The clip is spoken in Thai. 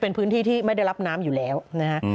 เป็นพื้นที่ที่ไม่ได้รับน้ำอยู่แล้วนะฮะ